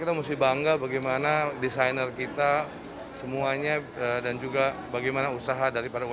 kita mesti bangga bagaimana desainer kita semuanya dan juga bagaimana usaha daripada umkm